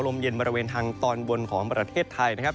ลมเย็นบริเวณทางตอนบนของประเทศไทยนะครับ